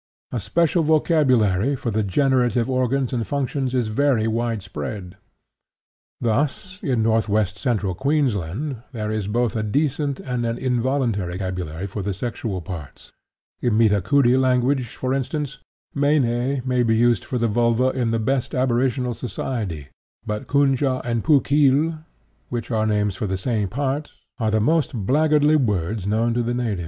A special vocabulary for the generative organs and functions is very widespread. Thus, in northwest Central Queensland, there is both a decent and an indecent vocabulary for the sexual parts; in Mitakoodi language, for instance, me ne may be used for the vulva in the best aboriginal society, but koon ja and pukkil, which are names for the same parts, are the most blackguardly words known to the natives.